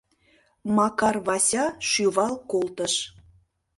— Макар Вася шӱвал колтыш.